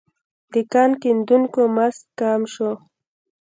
د کان کیندونکو مزد کم شو.